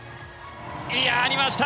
やりました！